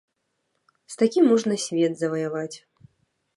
З такім можна свет заваяваць.